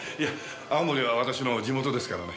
青森は私の地元ですからね。